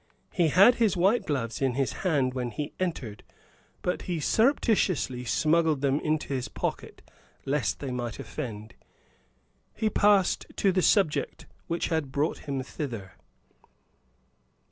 He had had his white gloves in his hand when he entered, but he surreptitiously smuggled them into his pocket, lest they might offend. He passed to the subject which had brought him thither.